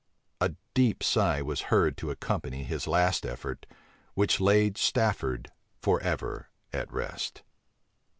A deep sigh was heard to accompany his last effort, which laid Stafford forever at rest.